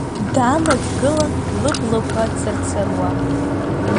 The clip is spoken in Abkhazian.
Дана дгылан лыблақәа цырцыруа.